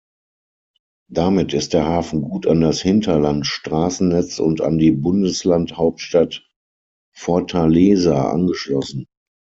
Damit ist der Hafen gut an das Hinterland-Straßennetz und an die Bundesland-Hauptstadt Fortaleza angeschlossen.